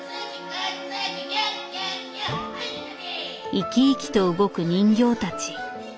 生き生きと動く人形たち。